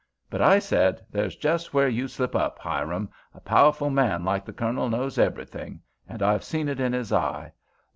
But I said, 'That's just where you slip up, Hiram; a pow'ful man like the Colonel knows everything—and I've seen it in his eye.